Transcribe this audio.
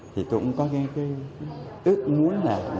thì cũng có cái ước muốn là